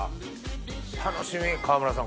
楽しみ川村さん